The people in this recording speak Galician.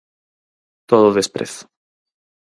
Todo desprezo.